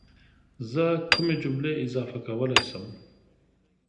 زه کومې جملې اضافه کولی شم؟